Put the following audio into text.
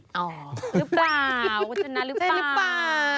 อ๋อหรือเปล่าคุณชนะหรือเปล่า